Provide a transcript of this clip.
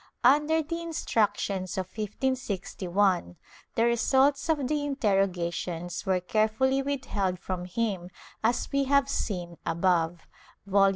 Under the Instruc tions of 1561, the results of the interrogations were carefully withheld from him as we have seen above (Vol.